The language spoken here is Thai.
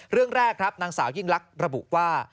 เรื่องแรกครับนางสาวยิ่งลักษณ์ระบุว่า